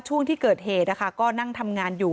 ช่วงที่เกิดเหตุก็นั่งทำงานอยู่